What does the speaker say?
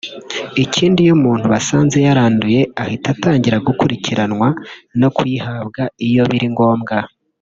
ikindi iyo umuntu basanze yaranduye ahita atangira gukurikiranwa no kuyihabwa iyo biri ngombwa